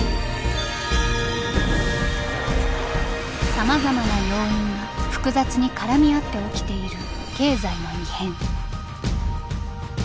さまざまな要因が複雑に絡み合って起きている経済の異変。